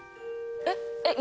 えっ？